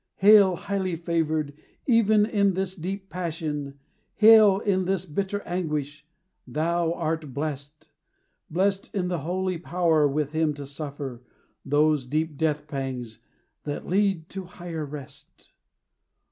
Hail, highly favored, even in this deep passion, Hail, in this bitter anguish thou art blest Blest in the holy power with him to suffer Those deep death pangs that lead to higher rest.